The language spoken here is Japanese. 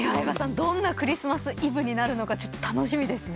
どんな『クリスマス・イブ』になるのか楽しみですね。